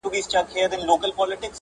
لاس دي بر وي د حاکم پر دښمنانو!.